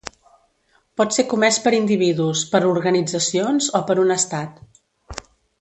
Pot ser comès per individus, per organitzacions o per un Estat.